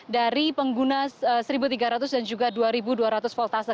dari pengguna satu tiga ratus dan juga dua dua ratus voltase